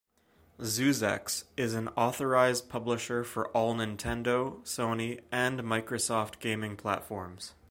Zuxxez is an authorized publisher for all Nintendo, Sony and Microsoft gaming platforms.